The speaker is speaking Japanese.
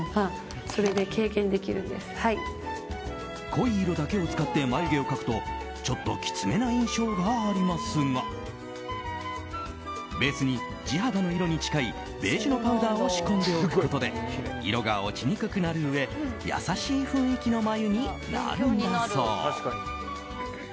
濃い色だけを使って眉毛を描くとちょっときつめな印象がありますがベースに地肌の色に近いベージュのパウダーを仕込んでおくことで色が落ちにくくなるうえ優しい雰囲気の眉になるんだそう。